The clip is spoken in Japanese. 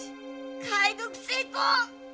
解読成功！